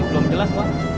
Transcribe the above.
belum jelas wak